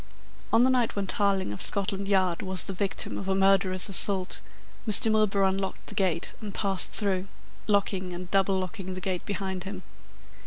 On the night when Tarling of Scotland Yard was the victim of a murderous assault, Mr. Milburgh unlocked the gate and passed through, locking and double locking the gate behind him.